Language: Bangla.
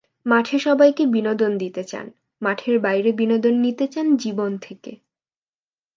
মাঠে সবাইকে বিনোদন দিতে চান, মাঠের বাইরে বিনোদন নিতে চান জীবন থেকে।